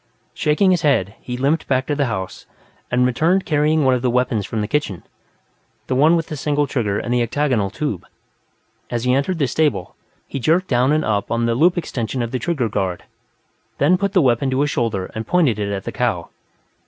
Shaking his head, he limped back to the house, and returned carrying one of the weapons from the kitchen the one with the single trigger and the octagonal tube. As he entered the stable, he jerked down and up on the loop extension of the trigger guard, then put the weapon to his shoulder and pointed it at the cow.